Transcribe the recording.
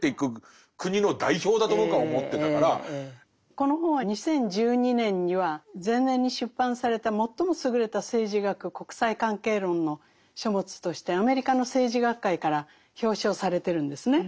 この本は２０１２年には前年に出版された「最も優れた政治学・国際関係論の書物」としてアメリカの政治学会から表彰されてるんですね。